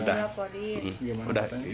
udah udah di lapori